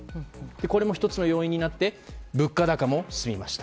これも１つの要因になって物価高も進みました。